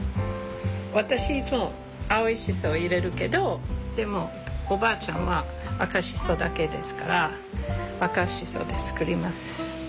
私いつも青いシソ入れるけどでもおばあちゃんは赤シソだけですから赤シソで作ります。